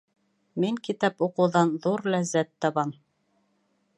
Мин китап уҡыуҙан ҙур ләззәт табам